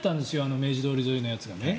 明治通り沿いのやつがね。